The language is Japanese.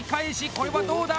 これは、どうだ！